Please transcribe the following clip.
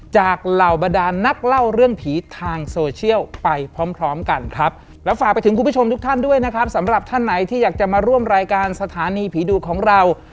เหล่าบรรดานนักเล่าเรื่องผีทางโซเชียลไปพร้อมพร้อมกันครับแล้วฝากไปถึงคุณผู้ชมทุกท่านด้วยนะครับสำหรับท่านไหนที่อยากจะมาร่วมรายการสถานีผีดุของเรา